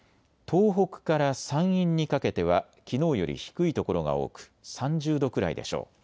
東北から山陰にかけてはきのうより低い所が多く３０度くらいでしょう。